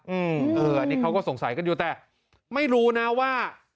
อืมเอออันนี้เขาก็สงสัยกันอยู่แต่ไม่รู้นะว่า